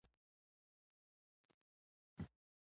که فارمونه جوړ شي عاید به زیات شي.